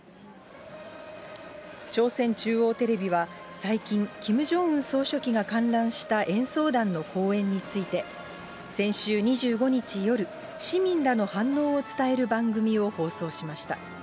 朝鮮中央テレビは、最近、キム・ジョンウン総書記が観覧した演奏団の公演について、先週２５日夜、市民らの反応を伝える番組を放送しました。